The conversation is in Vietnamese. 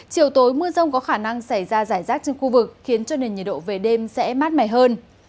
chiều tối mưa rông có khả năng xảy ra giải rác trên khu vực khiến cho nền nhiệt độ về đêm sẽ mát mẻ hơn